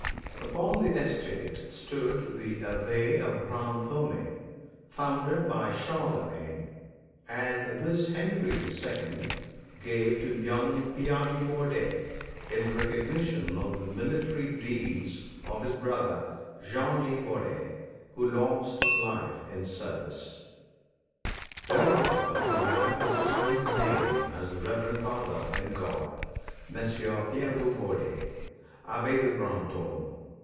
Upon the estate stood the Abbey of Brantôme, founded by Charlemagne, and this Henry II. gave to young Pierre de Bourdeille in recognition of the military deeds of his brother, Jean de Bourdeille, who lost his life in service. Thereafter the lad was to sign his name as the Reverend Father in God, Messire Pierre de Bourdeille, Abbé de Brantôme.